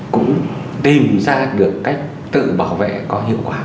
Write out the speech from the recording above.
cũng tìm ra được cách tự bảo vệ có hiệu quả